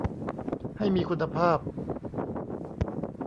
ให้มีคุณภาพ